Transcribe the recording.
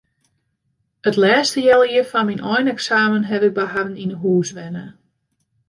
It lêste healjier foar myn eineksamen haw ik by harren yn 'e hûs wenne.